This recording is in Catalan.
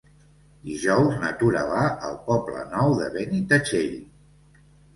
Dijous na Tura va al Poble Nou de Benitatxell.